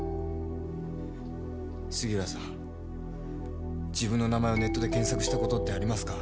杉浦さん自分の名前をネットで検索した事ってありますか？